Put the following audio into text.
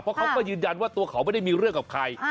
เพราะเขาก็ยืนยันว่าตัวเขาไม่ได้มีเรื่องกับใคร